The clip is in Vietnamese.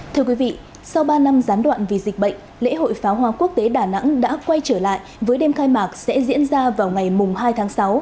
thưa quý vị sau ba năm gián đoạn vì dịch bệnh lễ hội pháo hoa quốc tế đà nẵng đã quay trở lại với đêm khai mạc sẽ diễn ra vào ngày hai tháng sáu